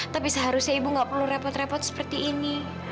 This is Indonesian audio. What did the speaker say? tapi seharusnya ibu nggak perlu repot repot seperti ini